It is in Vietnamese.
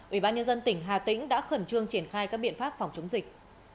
ủy ban nhân dân tỉnh hà tĩnh đã khẩn trương triển khai các biện pháp phòng chống dịch